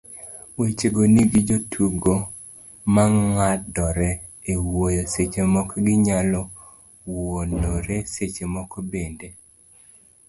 wechego nigi jotugo mang'adore e wuoyo, seche moko ginyalo wuonore, seche moko bende